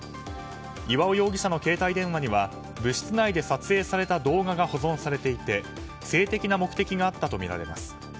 岩尾容疑者の携帯電話には部室内で撮影された動画が保存されていて性的な目的があったとみられます。